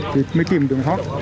thì mới tìm tường thoát